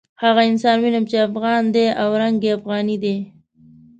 هغه انسان وینم چې افغان دی او رنګ یې افغاني دی.